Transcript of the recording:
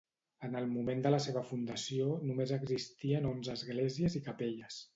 En el moment de la seva fundació només existien onze esglésies i capelles.